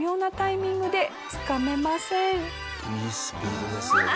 いいスピードですよね。